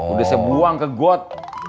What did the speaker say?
udah saya buang ke got